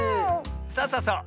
そうそうそう。